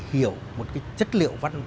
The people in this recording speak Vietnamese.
hiểu một cái chất liệu văn